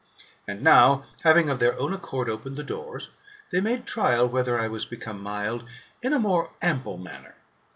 And now, having of their own accord opened the doors, they made trial whether I was become mild, in a more ample manner.